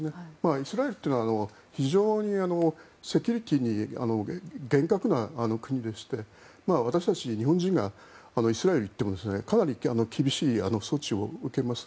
イスラエルというのは非常にセキュリティーに厳格な国でして私たち日本人がイスラエルに行ってもかなり厳しい措置を受けます。